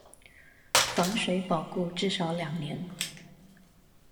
防水保固至少兩年